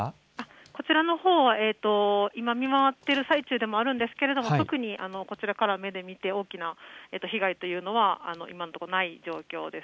こちらのほう、今、見回っている最中ですが特にこちらから目で見て大きな被害というのは今のところない状況です。